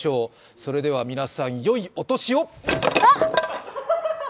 それでは、皆さん、よいお年を！